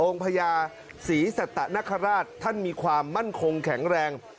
พญาศรีสัตนคราชท่านมีความมั่นคงแข็งแรง